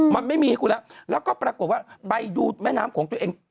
มันไม่มีให้คุณแล้วแล้วก็ปรากฏว่าไปดูแม่น้ำของตัวเอง